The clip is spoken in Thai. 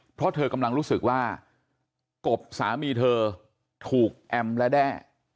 เพราะเธอกำลังรู้สึกว่ากบสามีเธอถูกแอมและแด้